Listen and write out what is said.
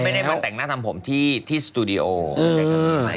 ไม่ได้มาแต่งหน้าทำผมที่ที่สตูดิโออือ